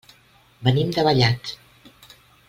Venim de Vallat.